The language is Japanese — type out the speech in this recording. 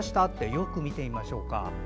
よく見てみましょうか。